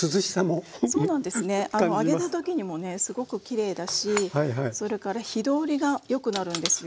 揚げる時にもねすごくきれいだしそれから火通りがよくなるんですよ。